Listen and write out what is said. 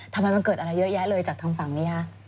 ทำไมมันเกิดอะไรเยอะแยะเลยจากทางฝั่งนี้คะ